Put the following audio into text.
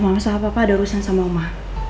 mama soal papa ada urusan sama mama